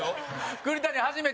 栗谷、初めて？